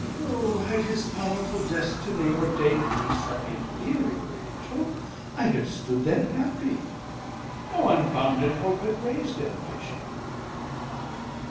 O had his powerful Destiny ordaind Me some inferiour Angel, I had stood Then happie; no unbounded hope had rais'd 60 Ambition.